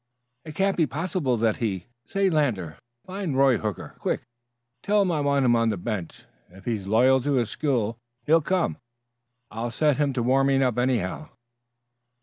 "It can't be possible that he Say, Lander, find Roy Hooker, quick. Tell him I want him on the bench. If he's loyal to his school he'll come. I'll set him to warming up, anyhow."